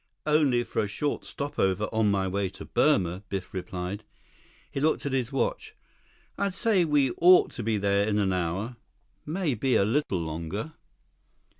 "Only for a short stopover on my way to Burma," Biff replied. He looked at his watch. "I'd say we ought to be there in an hour. Maybe a little longer."